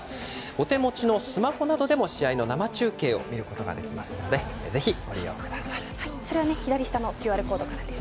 お手持ちのスマホなどでも試合の生中継を見ることができますのでぜひ、ご利用ください。